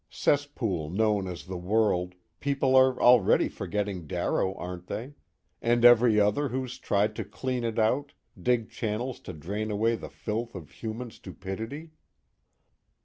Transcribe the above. Cesspool known as the world people are already forgetting Darrow, aren't they? and every other who's tried to clean it out, dig channels to drain away the filth of human stupidity?